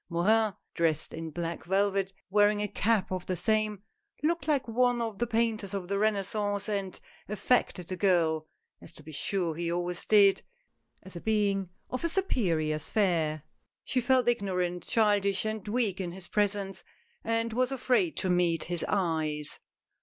Morin, dressed in black velvet, wearing a cap of the same, looked like one of the painters of the Renaissance, and affected the girl — as to be sure he always did — as a being of a superior sphere. She felt ignorant, childish and weak in his presence, and was afraid to meet his eyes.